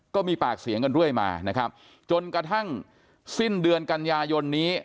ก็มีปากเสียงกันเรื่อยมานะครับจนกระทั่งสิ้นเดือนกันยายนนี้